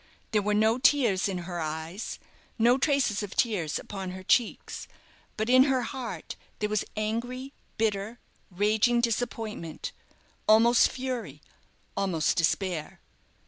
There were no tears in her eyes, no traces of tears upon her cheeks, but in her heart there was angry, bitter, raging disappointment almost fury, almost despair.